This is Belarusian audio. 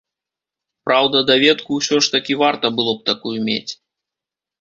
Праўда, даведку ўсё ж такі варта было б такую мець.